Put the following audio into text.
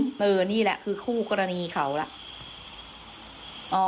เอาจริงนี่แหละคือกรณีเขาแล้ว